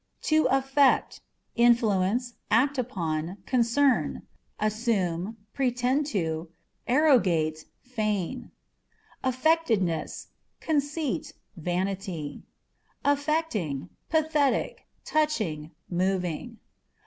f AITâ€" AGE. To Affect â€" influence, act upon, concern ; assume, pretend to, arrogate, feign. Affectedness â€" conceit, vanity. Affecting â€" pathetic, touching, moving.